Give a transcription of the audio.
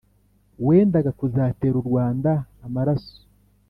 wendaga kuzatera urwanda amaraso